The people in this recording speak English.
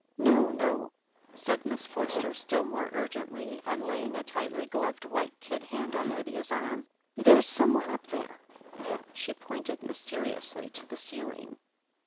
"No, no," said Miss Forster still more urgently, and laying a tightly gloved white kid hand on Lydia's arm. "There's someone up there." She pointed mysteriously to the ceiling.